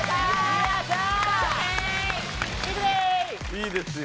いいですよ。